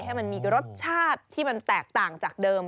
ให้มันมีรสชาติที่มันแตกต่างจากเดิม